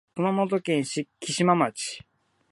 熊本県嘉島町